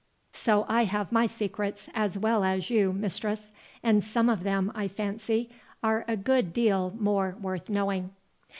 So I have my secrets as well as you, mistress; and some of them, I fancy, are a good deal more worth knowing."